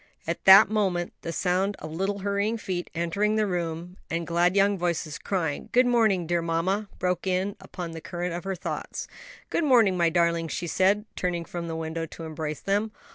At that moment the sound of little hurrying feet, entering the room, and glad young voices crying, "Good morning, dear mamma!" broke in upon the current of her thoughts. "Good morning, my darlings," she said, turning from the window to embrace them.